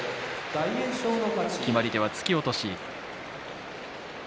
決まり手は突き落としです。